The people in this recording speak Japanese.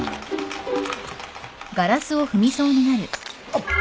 あっ！